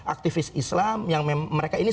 aktivis islam yang mereka ini